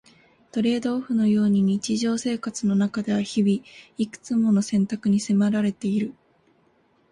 トレードオフのように日常生活の中では日々、いくつもの選択に迫られている。